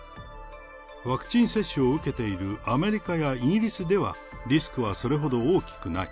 ワクチン接種を受けているアメリカやイギリスでは、リスクはそれほど大きくない。